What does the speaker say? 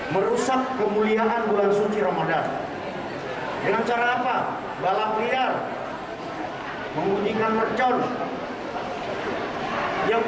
merusak kemuliaan bulan suci ramadan dengan cara apa balap liar membunyikan mercon yang